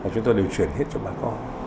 chúng tôi đều chuyển hết cho bà con